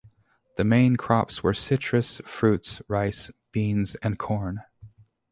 The main crops were citrus fruits, rice, beans, and corn.